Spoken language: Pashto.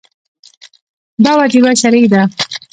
دا وجیبه شرعي ده.